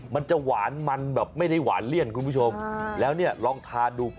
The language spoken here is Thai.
มันจะหวานมันแบบไม่ได้หวานเลี่ยนคุณผู้ชมแล้วเนี่ยลองทานดู